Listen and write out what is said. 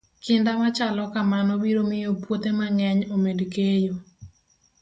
Kinda machalo kamano biro miyo puothe mang'eny omed keyo.